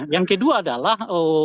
yang kedua adalah